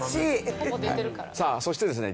さあそしてですね